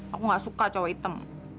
aku gak suka cowok hitam